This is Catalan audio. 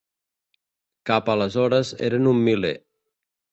Cap aleshores eren un miler.